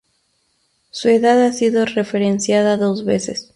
Su edad ha sido referenciada dos veces.